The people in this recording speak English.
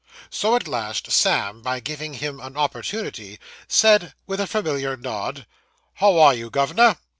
So at last, Sam, by way of giving him an opportunity, said with a familiar nod 'How are you, governor?